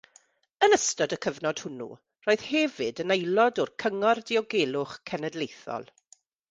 Yn ystod y cyfnod hwnnw, roedd hefyd yn aelod o'r Cyngor Diogelwch Cenedlaethol.